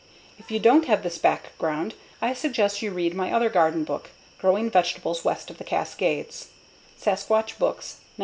If you don't have this background I suggest you read my other garden book, Growing Vegetables West of the Cascades, (Sasquatch Books, 1989).